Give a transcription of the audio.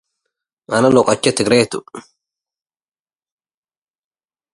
He commentated seventeen grand finals.